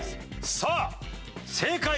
さあ正解は。